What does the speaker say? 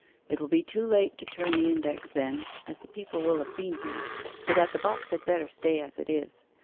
'It will be too late to turn the index then, as the people will have been here, so that the box had better stay as it is.